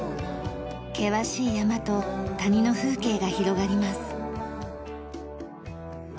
険しい山と谷の風景が広がります。